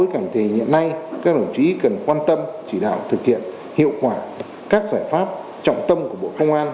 các đồng chí cần quan tâm chỉ đạo thực hiện hiệu quả các giải pháp trọng tâm của bộ công an